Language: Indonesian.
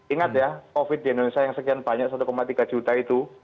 ingat ya covid di indonesia yang sekian banyak satu tiga juta itu